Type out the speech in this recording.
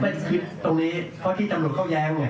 มันเป็นคลิปที่จำหนักเข้าแย้งไหมครับ